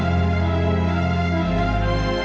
ini sangat menjujur kini